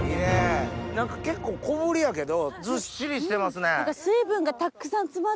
何か結構小ぶりやけどずっしりしてますね。